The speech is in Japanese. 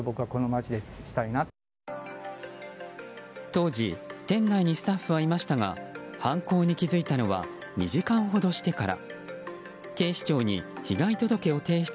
当時店内にスタッフはいましたが犯行に気付いたのは２時間ほどしてから。